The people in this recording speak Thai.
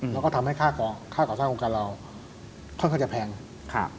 แล้วก็ทำให้ค่าก่อสร้างโครงการเราค่อนข้างจะแพงเพราะฉะนั้นอัตราการเกิดอุบัติเหตุของการทางพิเศษ